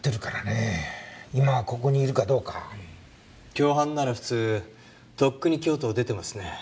共犯なら普通とっくに京都を出てますね。